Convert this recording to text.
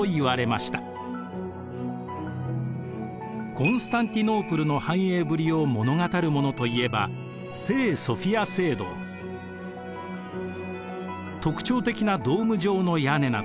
コンスタンティノープルの繁栄ぶりを物語るものといえば特徴的なドーム状の屋根など